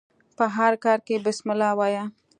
په هر کار کښي بسم الله وايه!